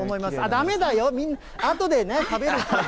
だめだよ、あとでね、食べるから。